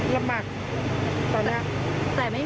วันนี้